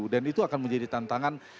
dan itu akan menjadi tantangan